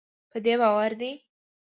په دې باور دی